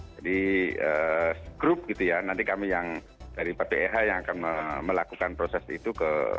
jadi grup gitu ya nanti kami yang dari pph yang akan melakukan proses itu